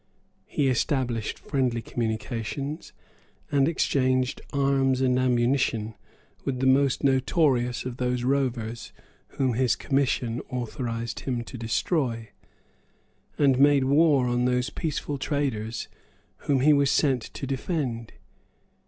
He established friendly communications, and exchanged arms and ammunition, with the most notorious of those rovers whom his commission authorised him to destroy, and made war on those peaceful traders whom he was sent to defend.